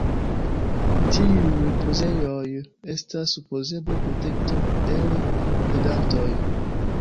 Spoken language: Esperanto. Tiuj ripozejoj estas supozeble protekto el predantoj.